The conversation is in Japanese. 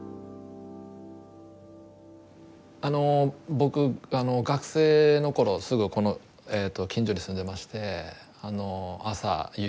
僕学生の頃すぐこの近所に住んでまして朝夕